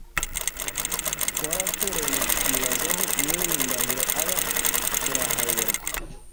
Twarateranye twibaza aho mwene Ndahiro aba turahayoberwa,